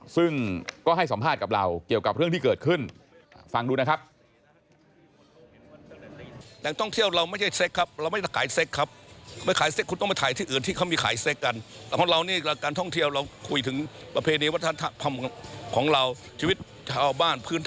ซึ่งก็ให้สัมภาษณ์กับเราเกี่ยวกับเรื่องที่เกิดขึ้นฟังดูนะครับ